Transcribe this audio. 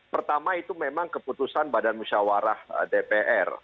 pertama itu memang keputusan badan musyawarah dpr